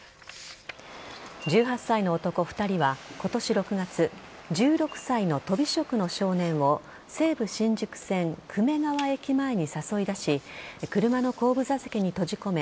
１８歳の男２人は今年６月１６歳のとび職の少年を西武新宿線久米川駅前に誘い出し車の後部座席に閉じ込め